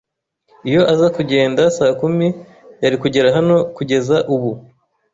Iyo aza kugenda saa kumi, yari kugera hano kugeza ubu.